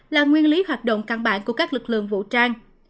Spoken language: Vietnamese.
là nguyên lý hoạt động căn bản của các lực lượng vũ trang